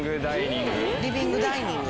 リビングダイニング。